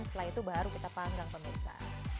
setelah itu baru kita panggang pemirsa